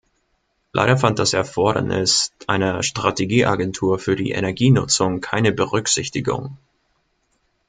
Leider fand das Erfordernis einer Strategieagentur für die Energienutzung keine Berücksichtigung.